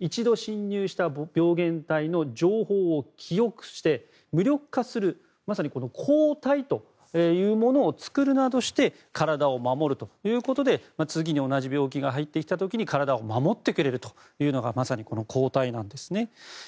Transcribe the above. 一度侵入した病原体の情報を記憶して無力化する抗体というものを作るなどして体を守るということで次に同じ病気が入ってきた時に体を守ってくれるのがまさに、抗体なんですね。